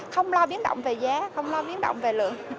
không lo biến động về giá không lo biến động về lượng